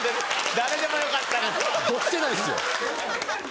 誰でもよかったのに。